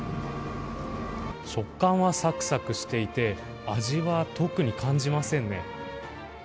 食感はさくさくしていて、味は特に感じませんね。